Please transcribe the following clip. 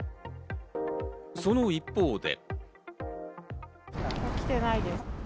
その一方で。